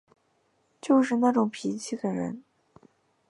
就是那种脾气的人